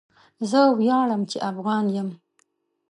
زه وياړم چي افغان يم.